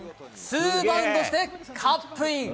ツーバウンドして、カップイン。